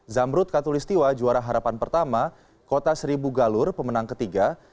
zamrut katulistiwa juara harapan pertama kota seribu galur pemenang ketiga